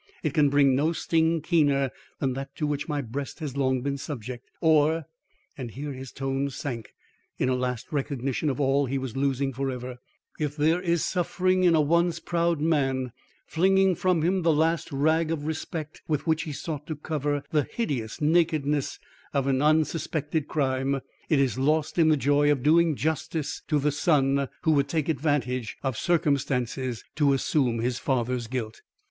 It can bring no sting keener than that to which my breast has long been subject. Or " and here his tones sank, in a last recognition of all he was losing forever, "if there is suffering in a once proud man flinging from him the last rag of respect with which he sought to cover the hideous nakedness of an unsuspected crime, it is lost in the joy of doing justice to the son who would take advantage of circumstances to assume his father's guilt."